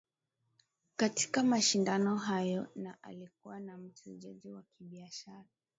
Katika mashindano hayo na alikuwa na mchezaji wa kibiashara